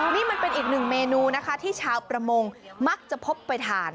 นี่มันเป็นอีกหนึ่งเมนูนะคะที่ชาวประมงมักจะพบไปทาน